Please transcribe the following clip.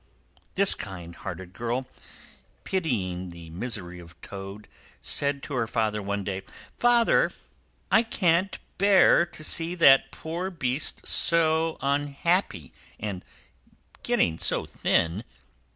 This kind hearted girl, pitying the misery of Toad, said to her father one day, "Father! I can't bear to see that poor beast so unhappy, and getting so thin!